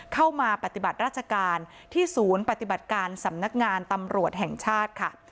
เข้ามาปฏิบัติราชการที่ศูนย์ปฏิบัติการสำนักงานตำรวจแห่งชาติค่ะ